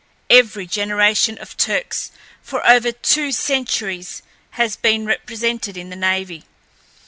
Every generation of Turcks for over two centuries has been represented in the navy.